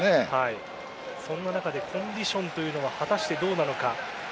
そんな中でコンディションというのは果たしてどうなのか。